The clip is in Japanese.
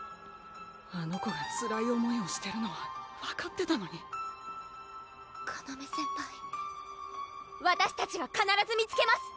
あの子がつらい思いをしてるのは分かってたのにかなめ先輩わたしたちがかならず見つけます！